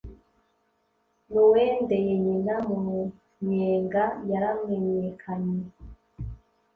Nuwendeye nyina mu nyenga yaramenyekanye.